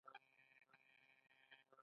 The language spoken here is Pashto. د سرپل په ګوسفندي کې د تیلو څاګانې دي.